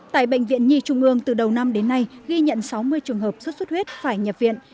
tại bệnh viện nhi trung ương từ đầu năm đến nay ghi nhận sáu mươi trường hợp xuất xuất huyết phải nhập viện